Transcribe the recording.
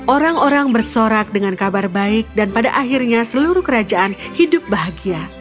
orang orang bersorak dengan kabar baik dan pada akhirnya seluruh kerajaan hidup bahagia